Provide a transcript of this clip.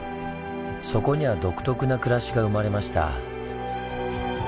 そこには独特な暮らしが生まれました。